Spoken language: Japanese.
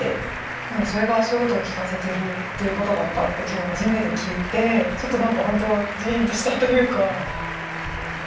でもそれが足音を聞かせてるっていう事だったって今日初めて聞いてちょっとなんかホントジーンとしたというか。